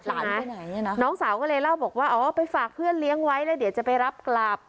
น้องสาวก็เลยเล่าบอกว่าอ๋อไปฝากเพื่อนเลี้ยงไว้แล้วเดี๋ยวจะไปรับกลับ